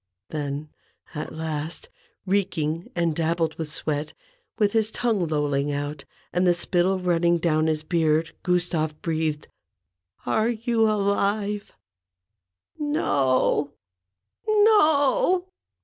Then, at last, reeking and dabbled with sweat, with his tongue lolling out, and the spittle running down his beard, Gustave breathed :—" Are you alive ?" "No, no